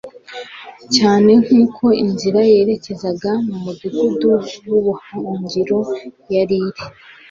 cyane nkuko inzira yerekezaga mu mudugudu wubuhungiro yari iri